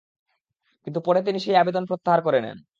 কিন্তু পরে তিনি সেই আবেদন প্রত্যাহার করে নেন।